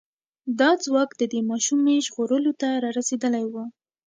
دا ځواک د دې ماشومې ژغورلو ته را رسېدلی و.